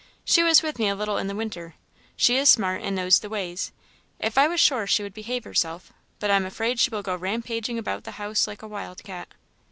She was with me a little in the winter. She is smart, and knows the ways. If I was sure she would behave herself but I am afraid she will go rampaging about the house like a wild cat."